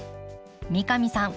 三上さん